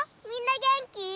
みんなげんき？